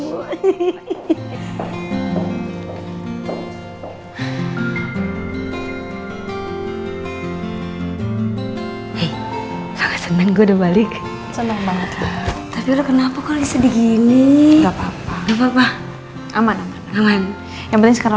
gue udah balik senang banget tapi lu kenapa kau sedih gini apa apa aman aman yang beres kalau